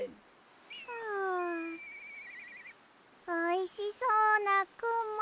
おいしそうなくも。